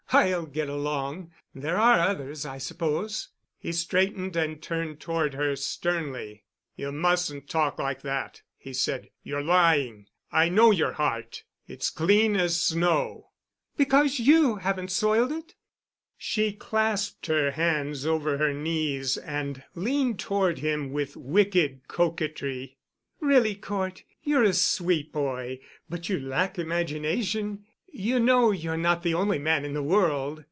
"I'll get along. There are others, I suppose." He straightened and turned toward her sternly. "You mustn't talk like that," he said. "You're lying. I know your heart. It's clean as snow." "Because you haven't soiled it?" She clasped her hands over her knees and leaned toward him with wicked coquetry. "Really, Cort, you're a sweet boy—but you lack imagination. You know you're not the only man in the world.